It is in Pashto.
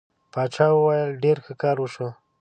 باچا وویل ډېر ښه کار وشو.